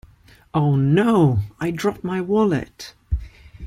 Oh No! I dropped my wallet!